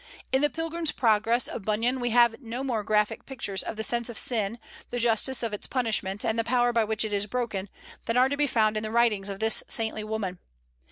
In the "Pilgrim's Progress" of Bunyan we have no more graphic pictures of the sense of sin, the justice of its punishment, and the power by which it is broken, than are to be found in the writings of this saintly woman.